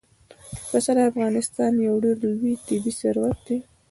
پسه د افغانستان یو ډېر لوی طبعي ثروت دی.